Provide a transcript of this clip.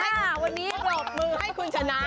ค่ะวันนี้ปรบมือให้คุณชนะ